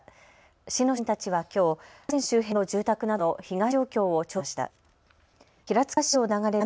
市の職員たちはきょう、河川周辺の住宅などの被害状況を調査しました。